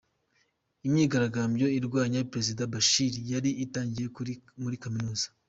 Imyigaragambyo irwanya Perezida Bashir yari itangiriye muri Kaminuza